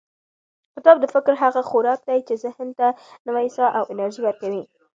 کتاب د فکر هغه خوراک دی چې ذهن ته نوې ساه او انرژي ورکوي.